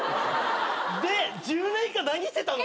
で１０年間何してたの？